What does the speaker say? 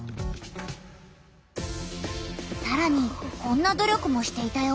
さらにこんな努力もしていたよ。